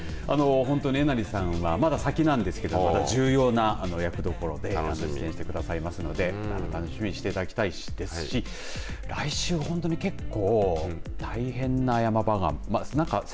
本当にえなりさんはまだ先なんですけど重要な役どころで楽しみにしてくださいますので楽しみにしていただきたいですし来週、本当に結構大変なヤマ場が。